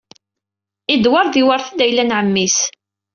Edward yewṛet-d ayla n ɛemmi-s.